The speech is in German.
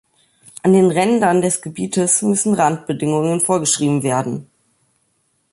An den Rändern des Gebiets müssen Randbedingungen vorgeschrieben werden.